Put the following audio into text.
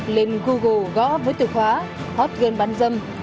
lên google gõ với từ khóa hot game bán dâm